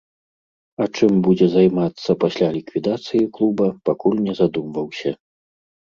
А чым будзе займацца пасля ліквідацыі клуба, пакуль не задумваўся.